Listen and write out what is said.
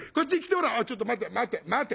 「ちょっと待て待て待て。